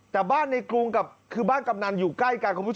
แต่บ้านในกรุงกลับคือบ้านกำนันอยู่ใกล้กัน